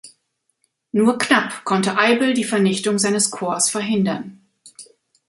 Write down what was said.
Nur knapp konnte Eibl die Vernichtung seines Korps verhindern.